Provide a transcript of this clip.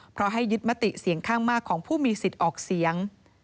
เพราะให้ยึดมติเสียงข้างมากของผู้มีสิทธิ์ออกเสียง